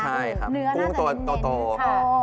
เนื้อน่าจะเย็นค่ะ